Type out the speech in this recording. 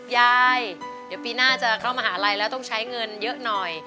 ยายเดี๋ยวปีหน้าจะเข้ามหาลัยแล้วต้องใช้เงินเยอะหน่อย